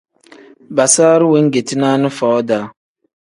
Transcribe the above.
Basaru wengeti naani foo-daa.